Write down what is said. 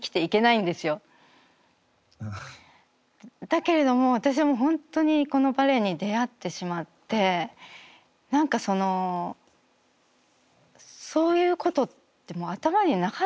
だけれども私は本当にこのバレエに出会ってしまって何かそういうことってもう頭になかったんですよね。